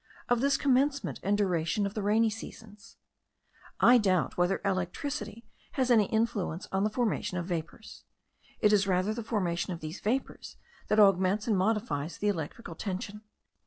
of this commencement and duration of the rainy seasons? I doubt whether electricity has any influence on the formation of vapours. It is rather the formation of these vapours that augments and modifies the electrical tension.